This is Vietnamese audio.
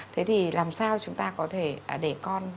thế thì làm sao chúng ta có thể để con